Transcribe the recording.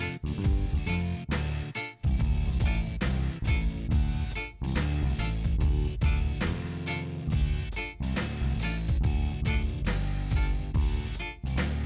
ini bener banget sih